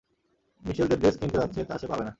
মিশেল যে ড্রেস কিনতে যাচ্ছে তা সে পাবে না।